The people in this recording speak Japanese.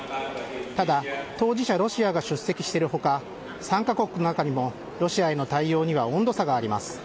ただ、当事者ロシアが出席しているほか、参加国の中にもロシアへの対応には温度差があります。